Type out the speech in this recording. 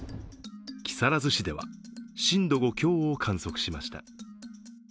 木更津市では震度５強を観測しました。